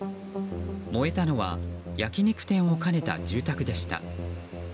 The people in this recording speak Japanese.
燃えたのは焼き肉店を兼ねた住宅でした。